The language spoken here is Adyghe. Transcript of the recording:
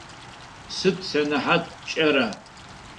Сыд сэнэхьат пшӏэра?